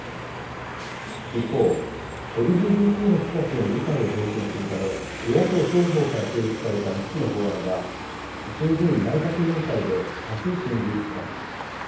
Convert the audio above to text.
一方、ＬＧＢＴの人たちへの理解を増進するため、与野党双方から提出された３つの法案は、衆議院内閣委員会であす審議入りします。